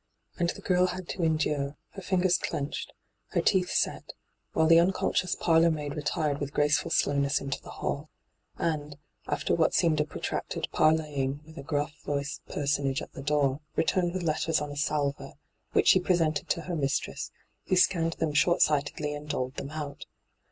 And the girl had to endure, her fingers clenched, her teeth set, while the unooDSoious purloormaid retired with grace ful slowness into the hall, and, after what seemed a protracted parleying with a gruff Toiced personage at the door, returned with letters on a salver, which she presented to her mktresB, who scanned them short sightedly and doled them out.